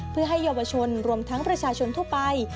เพื่อให้เยาวชนรวมทั้งประชาชนทั่วไป